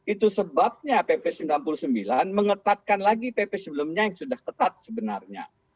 itu sebabnya pp sembilan puluh sembilan mengetatkan lagi pp sebelumnya yang sudah ketat sebenarnya